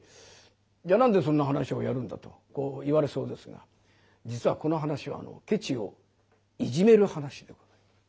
じゃあ何でそんな噺をやるんだとこう言われそうですが実はこの噺はケチをいじめる噺でございます。